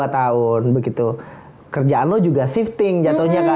dua tahun begitu kerjaan lo juga shifting jatuhnya ke